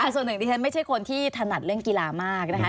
ส่วนหนึ่งดิฉันไม่ใช่คนที่ถนัดเรื่องกีฬามากนะคะ